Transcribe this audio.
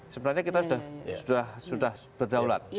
sebenarnya kita sudah berdaulat